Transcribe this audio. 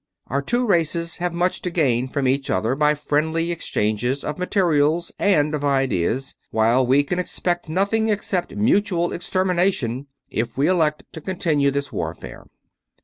Our two races have much to gain from each other by friendly exchanges of materials and of ideas, while we can expect nothing except mutual extermination if we elect to continue this warfare.